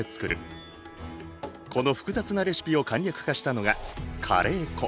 この複雑なレシピを簡略化したのがカレー粉。